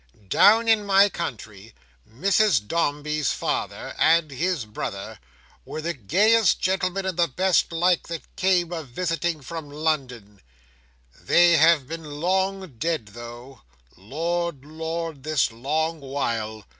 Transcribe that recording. Down in my country, Mrs Dombey's father and his brother were the gayest gentlemen and the best liked that came a visiting from London—they have long been dead, though! Lord, Lord, this long while!